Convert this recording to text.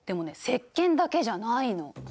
せっけんだけじゃないの。